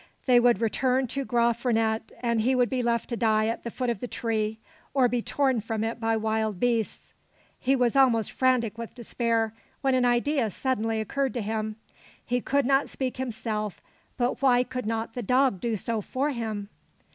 They would return to Graaf Reinet, and he should be left to die at the foot of the tree, or be torn from it by wild beasts. He was almost frantic with despair, when an idea suddenly occurred to him. He could not speak himself, but why could not the dog do so for him.